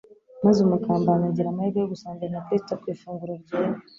maze umugambanyi agira amahirwe yo gusangira na Kristo ku ifunguro ryera.